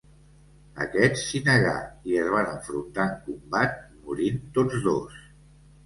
Aquest s'hi negà i es van enfrontar en combat, morint tots dos.